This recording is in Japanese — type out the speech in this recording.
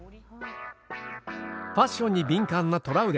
ファッションに敏感なトラウデン。